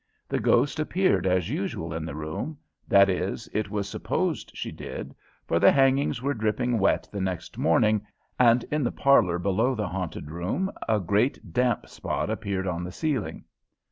The ghost appeared as usual in the room that is, it was supposed she did, for the hangings were dripping wet the next morning, and in the parlor below the haunted room a great damp spot appeared on the ceiling.